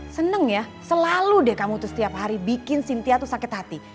seneng ya selalu deh kamu tuh setiap hari bikin sintia tuh sakit hati